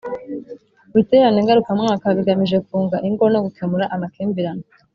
Ibiterane ngarukamwaka bigamije kunga ingo no gukemura amakimbirane